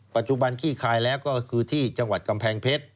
ขี้คายแล้วก็คือที่จังหวัดกำแพงเพชร